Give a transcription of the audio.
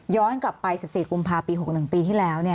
กลับไป๑๔กุมภาพี๖๑ปีที่แล้ว